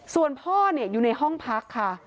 ส่วนพ่ออยู่ในห้องพักค่ะ